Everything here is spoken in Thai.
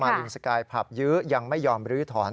ลินสกายผับยื้อยังไม่ยอมลื้อถอน